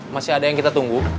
masih ada yang kita tunggu